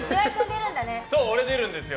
俺、出るんですよ。